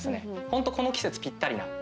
ホントこの季節ぴったりな。